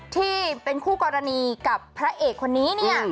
ที่เป็นคู่กรณีกับพระเอกคนนี้เนี่ย